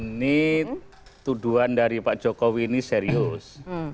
ini tuduhan dari pak jokowi ini serius